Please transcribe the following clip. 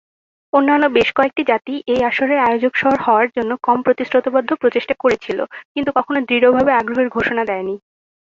অন্যান্য বেশ কয়েকটি জাতি এই আসরের আয়োজক শহর হওয়ার জন্য কম প্রতিশ্রুতিবদ্ধ প্রচেষ্টা করেছিল, কিন্তু কখনও দৃঢ়ভাবে আগ্রহের ঘোষণা দেয়নি।